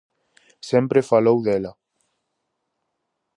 Sempre falou dela.